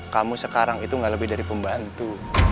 kamu sekarang itu gak lebih dari pembantu